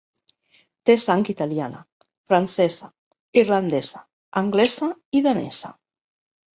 Té sang italiana, francesa, irlandesa, anglesa i danesa.